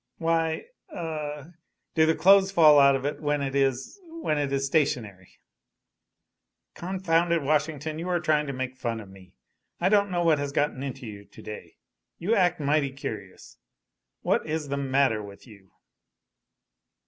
"Why a do the clothes fall out of it when it is when it is stationary?" "Confound it, Washington, you are trying to make fun of me. I don't know what has got into you to day; you act mighty curious. What is the matter with you?"